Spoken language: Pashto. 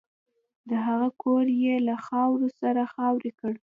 د هغه کور یې له خاورو سره خاورې کړ